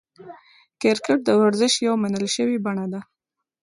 کرکټ د ورزش یوه منل سوې بڼه ده.